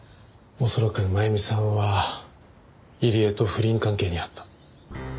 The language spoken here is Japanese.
恐らく真弓さんは入江と不倫関係にあった。